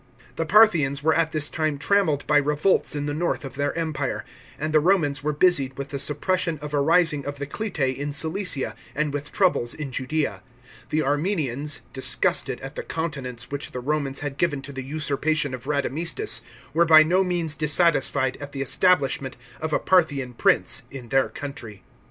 The Parthians were at this time trammelled by revolts in the north of their empire, and the Romans were busied with the suppression of a rising of the Clitae in Cilicia, and with troubles in Judea. The Armenians, disgusted at the countenance which the Romans had given to the usurpation of Radamistus, were by no means dissatisfied at the establishment of a Parthian prince in their country. § 7.